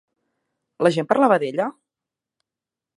La gent parlava d'ella?